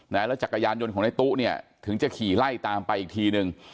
แล้วจักรยานยนต์ของในตู้เนี่ยถึงจะขี่ไล่ตามไปอีกทีนึง